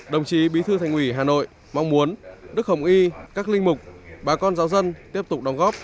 đồng chí bí thư thành ủy hà nội mong muốn đức hồng y các linh mục bà con giáo dân tiếp tục đóng góp